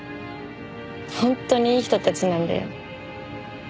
本当にいい人たちなんだよ。